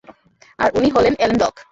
আর উনি হলেন Ellen block.